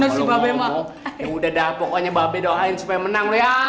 ya udah dah pokoknya mbak be doain supaya menang lo ya